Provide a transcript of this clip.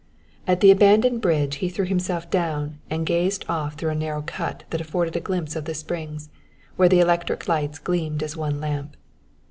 At the abandoned bridge he threw himself down and gazed off through a narrow cut that afforded a glimpse of the Springs, where the electric lights gleamed as one lamp.